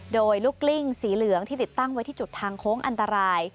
โดยลูกกลิ้งสีเหลืองที่ติดตั้งไว้ที่จุดทางโค้งอันตราย